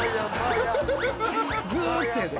ずーっとやで？